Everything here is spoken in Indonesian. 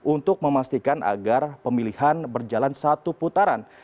untuk memastikan agar pemilihan berjalan satu putaran